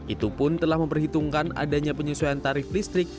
itu pun telah memperhitungkan adanya penyesuaian tarif listrik